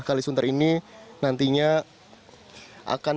kali sunter ini nantinya akan dihubungkan